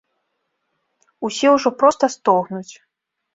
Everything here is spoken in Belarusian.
Усе ўжо проста стогнуць.